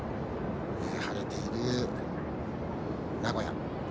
晴れている名古屋。